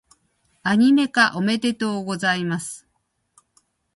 アニメ化、おめでとうございます！